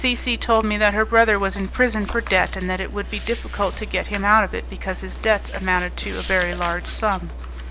C C told me that her brother was in prison for debt, and that it would be difficult to get him out of it because his debts amounted to a very large sum.